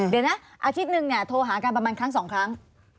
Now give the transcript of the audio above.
เดี๋ยวนะอาทิตย์หนึ่งเนี่ยโทรหากันประมาณครั้งสองครั้ง